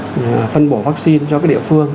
phân bổ vaccine cho cái địa phương